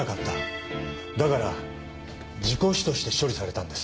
だから事故死として処理されたんです。